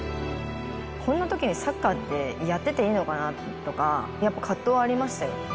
こんなときにサッカーって、やってていいのかなとか、やっぱ葛藤はありましたよ。